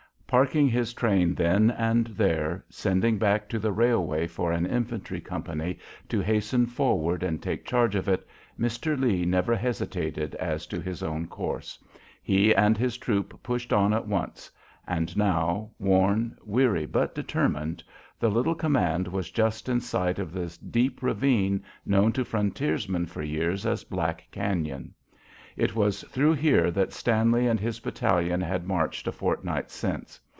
Parking his train then and there, sending back to the railway for an infantry company to hasten forward and take charge of it, Mr. Lee never hesitated as to his own course. He and his troop pushed on at once. And now, worn, weary, but determined, the little command is just in sight of the deep ravine known to frontiersmen for years as Black Cañon. It was through here that Stanley and his battalion had marched a fortnight since.